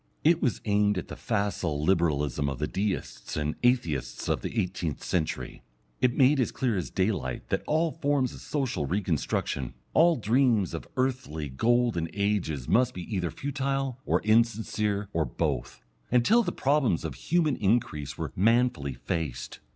It was aimed at the facile Liberalism of the Deists and Atheists of the eighteenth century; it made as clear as daylight that all forms of social reconstruction, all dreams of earthly golden ages must be either futile or insincere or both, until the problems of human increase were manfully faced.